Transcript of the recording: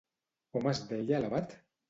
Com es deia l'abat?